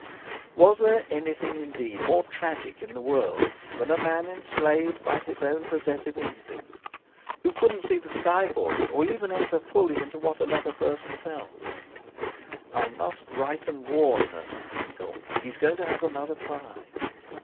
Was there anything, indeed, more tragic in the world than a man enslaved by his own possessive instinct, who couldn't see the sky for it, or even enter fully into what another person felt! "I must write and warn her," he thought; "he's going to have another try."